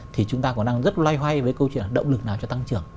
thì chúng ta còn đang rất loay hoay với câu chuyện là động lực nào cho tăng trưởng